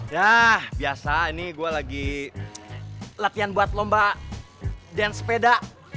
ya biasa ini gue lagi latihan buat lomba den sepeda